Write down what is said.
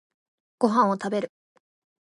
ご飯を食べる。